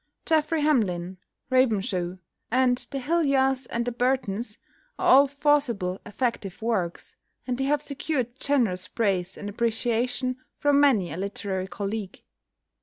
"Geoffrey Hamlyn," "Ravenshoe" and "The Hillyars and The Burtons," are all forcible, effective works, and they have secured generous praise and appreciation from many a literary colleague.